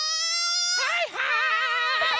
はいはい！